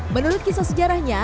menurut kisah sejarahnya